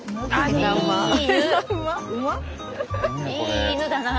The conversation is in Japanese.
いい犬だな。